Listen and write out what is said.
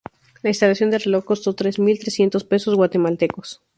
La instalación del reloj costó tres mil trescientos pesos guatemaltecos.